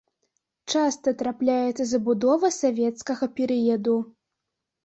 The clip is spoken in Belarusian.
Часта трапляецца забудова савецкага перыяду.